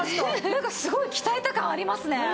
なんかすごい鍛えた感ありますね。